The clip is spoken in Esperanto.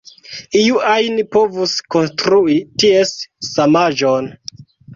Iu ajn povus konstrui ties samaĵon.